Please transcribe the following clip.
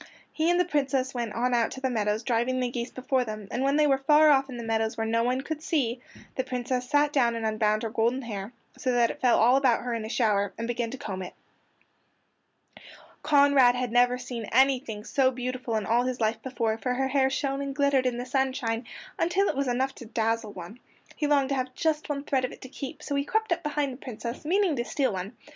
He and the Princess went on out to the meadows driving the geese before them, and when they were far off in the meadows where no one could see, the Princess sat down and unbound her golden hair, so that it fell all about her in a shower, and began to comb it. Conrad had never seen anything so beautiful in all his life before, for her hair shone and glittered in the sunshine until it was enough to dazzle one. He longed to have just one thread of it to keep, so he crept up behind the Princess, meaning to steal one.